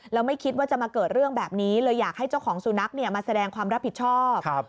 แล้วไม่คิดว่าจะมาเกิดเรื่องแบบนี้เลยอยากให้เจ้าของสุนัขมาแสดงความรับผิดชอบ